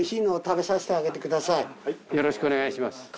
よろしくお願いします。